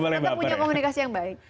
tetap punya komunikasi yang baik